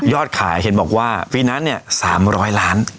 ขายเห็นบอกว่าปีนั้นเนี่ย๓๐๐ล้าน